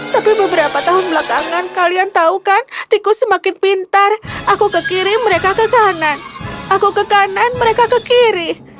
tapi beberapa tahun belakangan kalian tahu kan tikus semakin pintar aku ke kirim mereka ke kanan aku ke kanan mereka ke kiri